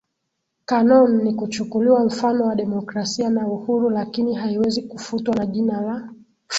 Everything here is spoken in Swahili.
canon ni kuchukuliwa mfano wa demokrasia na uhuru lakini haiwezi kufutwa na jina la